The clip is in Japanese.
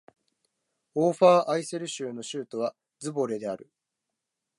オーファーアイセル州の州都はズヴォレである